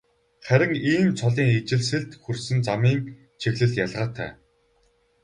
Харин ийм цолын ижилсэлд хүрсэн замын чиглэл ялгаатай.